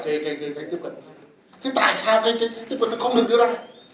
thế tại sao cái tiếp cận nó không được đưa ra